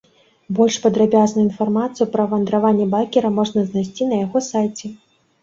Больш падрабязную інфармацыю пра вандраванні байкера можна знайсці на яго сайце.